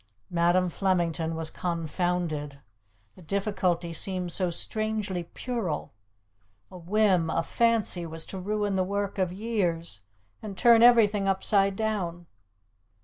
Madam Flemington was confounded. The difficulty seemed so strangely puerile. A whim, a fancy, was to ruin the work of years and turn everything upside down.